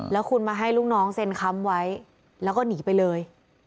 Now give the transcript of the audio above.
แล้วคุณมาให้ลูกน้องเซ็นค้ำไว้แล้วก็หนีไปเลย